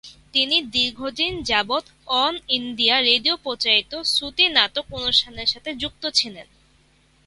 তিনি দীর্ঘদিন যাবৎ অল ইন্ডিয়া রেডিও প্রচারিত "শ্রুতি নাটক" অনুষ্ঠানের সাথে যুক্ত ছিলেন।